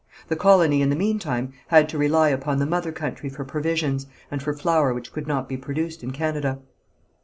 The colony in the meantime had to rely upon the mother country for provisions, and for flour which could not be produced in Canada.